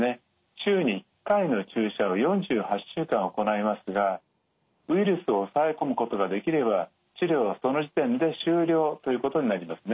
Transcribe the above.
週に１回の注射を４８週間行いますがウイルスを抑え込むことができれば治療はその時点で終了ということになりますね。